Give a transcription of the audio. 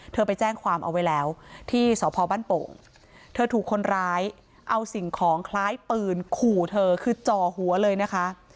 ไปแจ้งความเอาไว้แล้วที่สพบ้านโป่งเธอถูกคนร้ายเอาสิ่งของคล้ายปืนขู่เธอคือจ่อหัวเลยนะคะ